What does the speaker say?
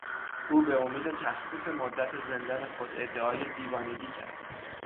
او به امید تخفیف مدت زندان خود ادعای دیوانگی کرد.